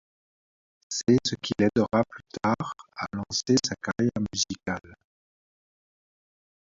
C'est ce qui l'aidera plus tard à lancer sa carrière musicale.